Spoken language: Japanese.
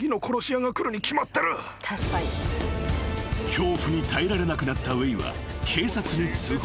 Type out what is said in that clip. ［恐怖に耐えられなくなったウェイは警察に通報］